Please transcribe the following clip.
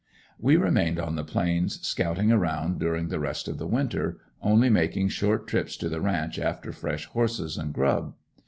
We remained on the Plains scouting around during the rest of the winter, only making short trips to the ranch after fresh horses and grub.